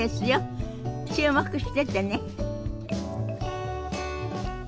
注目しててね。